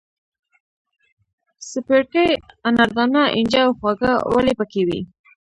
سپیرکۍ، اناردانه، اینجه او خواږه ولي پکې وې.